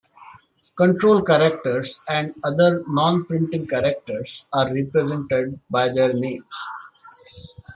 Control characters and other non-printing characters are represented by their names.